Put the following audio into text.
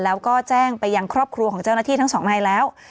แล้วก็แจ้งไปยังครอบครัวของเจ้าหน้าที่ทั้งสองนายแล้ว